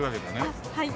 あっはい。